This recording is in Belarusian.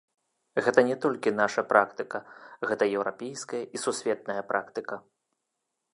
Гэта не толькі наша практыка, гэта еўрапейская і сусветная практыка.